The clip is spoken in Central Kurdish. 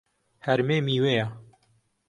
هەرمێ میوەیە.